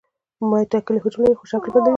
مایع ټاکلی حجم لري خو شکل یې بدلوي.